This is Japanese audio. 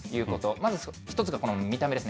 まず１つがこの見た目ですね。